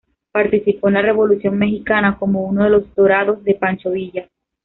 Participó en la revolución mexicana como uno de los dorados de Pancho Villa.